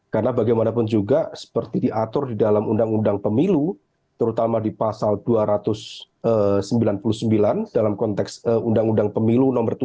karena bagaimanapun juga seperti diatur di dalam undang undang pemilu terutama di pasal dua ratus sembilan puluh sembilan dalam konteks undang undang pemilu nomor tujuh tahun dua ribu tujuh belas